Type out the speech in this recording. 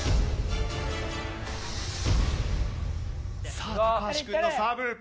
さあ高橋くんのサーブ。